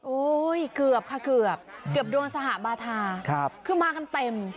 เกือบค่ะเกือบเกือบโดนสหบาทาคือมากันเต็ม